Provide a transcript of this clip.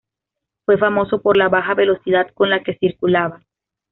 Fue famoso por la baja velocidad con la que circulaba.